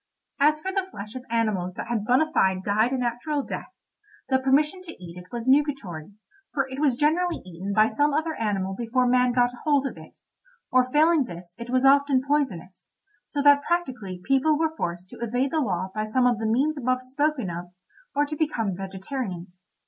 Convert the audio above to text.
As for the flesh of animals that had bona fide died a natural death, the permission to eat it was nugatory, for it was generally eaten by some other animal before man got hold of it; or failing this it was often poisonous, so that practically people were forced to evade the law by some of the means above spoken of, or to become vegetarians.